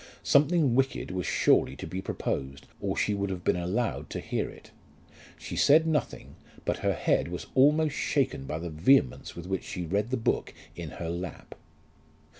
Something wicked was surely to be proposed, or she would have been allowed to hear it. She said nothing, but her head was almost shaken by the vehemence with which she read the book in her lap.